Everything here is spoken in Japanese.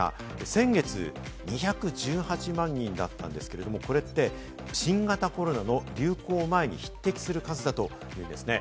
先月、２１８万人だったんですけれども、これって新型コロナの流行前に匹敵する数だというんですね。